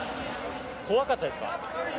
怖かったですか？